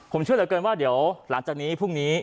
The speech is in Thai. ผมเชื่อเหลือเกินว่าเดี๋ยวหลังจากนี้พรุ่งนี้